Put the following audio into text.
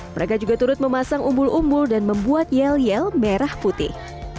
mereka juga turut memasang umbul umbul dan membuat yel yel merah putih